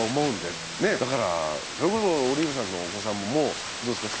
ねえだからそれこそオリーブさんのお子さんもどうですか？